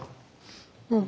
うん。